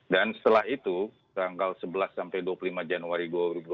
dan setelah itu tanggal sebelas sampai dua puluh lima januari dua ribu dua puluh satu